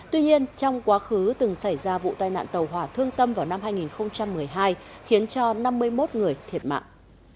tuy nhiên trong quá khứ từng xảy ra vụ tai nạn tàu hỏa thương tâm vào năm hai nghìn một mươi hai khiến cho năm mươi một người thiệt mạng